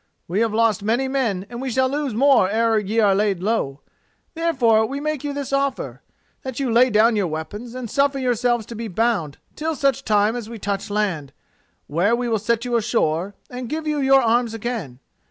We have lost many men, and we shall lose more ere ye are laid low. Therefore we make you this offer: that you lay down your weapons and suffer yourselves to be bound till such time as we touch land, where we will set you ashore, and give you your arms again.